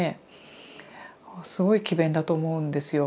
すごい詭弁だと思うんですよ。